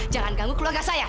jangan ganggu keluarga saya